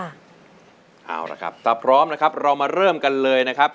ส่าพร้อมนะครับเรามาเริ่มกันเลยนะครับ